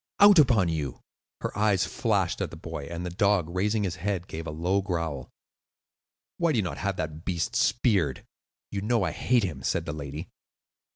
Out upon you!" Her eyes flashed at the boy, and the dog, raising his head, gave a low growl. "Why do you not have that beast speared? You know I hate him," said the lady.